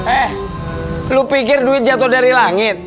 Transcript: eh lu pikir duit jatuh dari langit